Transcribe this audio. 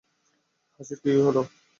হাসির কি হলো?